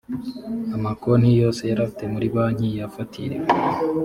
amakonti yose yarafite muri bank yafatiriwe